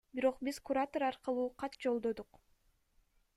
Бирок биз куратор аркылуу кат жолдодук.